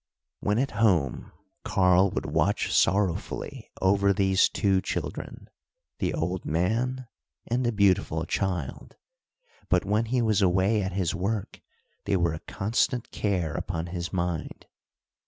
When at home, Karl would watch sorrowfully over these two children, the old man and the beautiful child; but when he was away at his work, they were a constant care upon his mind.